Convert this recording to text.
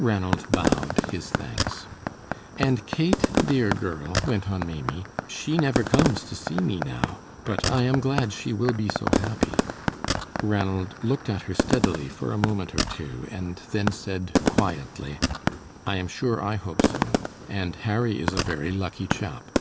Ranald bowed his thanks. "And Kate, dear girl," went on Maimie, "she never comes to see me now, but I am glad she will be so happy." Ranald looked at her steadily for a moment or two, and then said, quietly, "I am sure I hope so, and Harry is a very lucky chap."